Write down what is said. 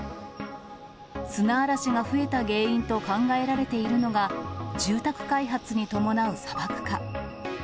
砂嵐が増えた原因と考えられているのが、住宅開発に伴う砂漠化。